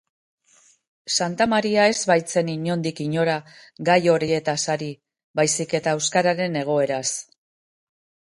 Santamaria ez baitzen inondik inora gai horietaz ari, baizik eta euskararen egoeraz.